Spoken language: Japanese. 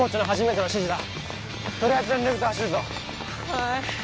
はい！